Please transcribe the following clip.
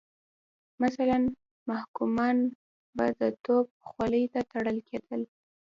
مثلا محکومان به د توپ خولې ته تړل کېدل.